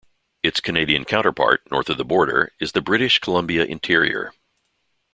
Its Canadian counterpart, north of the border, is the British Columbia Interior.